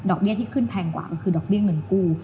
เบี้ยที่ขึ้นแพงกว่าก็คือดอกเบี้ยเงินกู้